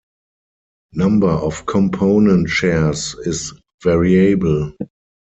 Number of component shares is variable.